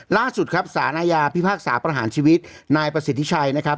ล่าสุดครับสารอาญาพิพากษาประหารชีวิตนายประสิทธิชัยนะครับ